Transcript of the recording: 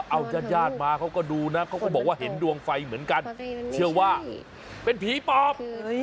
เอายาดมาเขาก็ดูนะเขาก็บอกว่าเห็นดวงไฟเหมือนกันเชื่อว่าเป็นผีปอบ